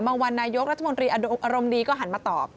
วันนายกรัฐมนตรีอารมณ์ดีก็หันมาตอบ